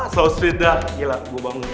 berisi charming banget nat